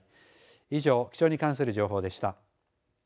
以上、気象に関する情報でした。